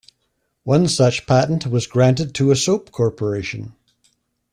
One such patent was granted to a soap corporation.